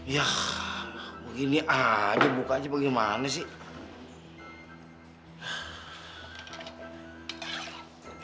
ya begini aja buka aja bagaimana sih